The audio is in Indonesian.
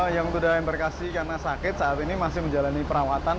yang sudah embarkasi karena sakit saat ini masih menjalani perawatan